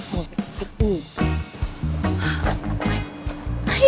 masih kekutik nih